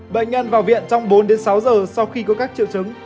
bệnh nhân vào viện trong bốn đến sáu giờ sau khi có các triệu chứng